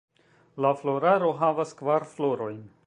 La floraro havas kvar florojn.